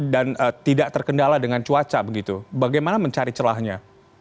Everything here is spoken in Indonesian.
dan tidak terkendala dengan cuaca begitu bagaimana mencari celahnya